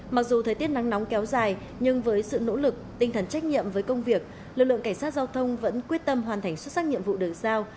mặc dù thời tiết nắng nóng kéo dài nhưng với sự nỗ lực tinh thần trách nhiệm với công việc lực lượng cảnh sát giao thông vẫn quyết tâm hoàn thành xuất sắc nhiệm vụ được giao